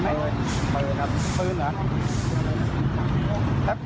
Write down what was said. เพลินเหรอ